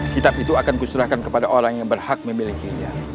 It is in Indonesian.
kitab itu akan kuserahkan kepada orang yang berhak memiliki dia